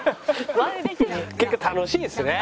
結果楽しいですね。